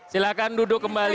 silahkan duduk kembali